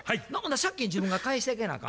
借金自分が返していかなあかん。